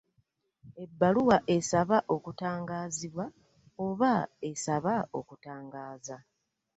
Ebbaluwa esaba okutangaazibwa oba esaba okutangaaza .